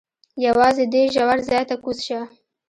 یوازې دې ژور ځای ته کوز شه.